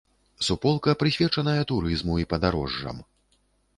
Суполка прысвечаная турызму і падарожжам.